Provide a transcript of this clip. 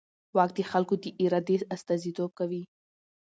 واک د خلکو د ارادې استازیتوب کوي.